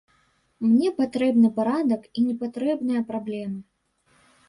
Мне патрэбны парадак і не патрэбныя праблемы.